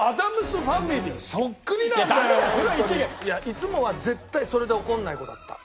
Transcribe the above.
いつもは絶対それで怒らない子だった。